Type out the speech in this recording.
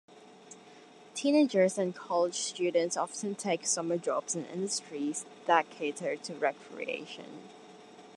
Teenagers and college students often take summer jobs in industries that cater to recreation.